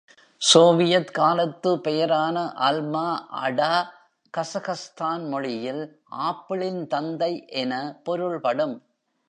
Soviet காலத்து பெயரான Alma Ata Kazakhstan மொழியில் “ஆப்பிள்களின் தந்தை என பொருள்படும்.”